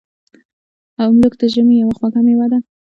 املوک د ژمي یوه خوږه میوه ده.